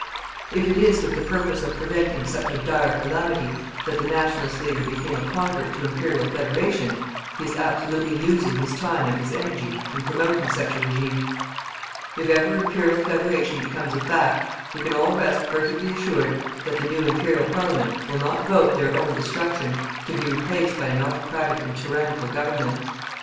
If it is with the purpose of preventing such a dire calamity that the Nationalist leader became a convert to Imperial Federation, he is absolutely losing his time and his energy in promoting such a regime. If ever Imperial Federation becomes a fact, we can all rest perfectly assured that the new Imperial Parliament will not vote their own destruction to be replaced by an autocratic and tyrannical government.